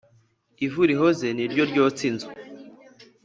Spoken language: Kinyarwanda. Ivu rihoze ni ryo ryotsa inzu.